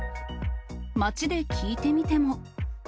街で聞いてみても。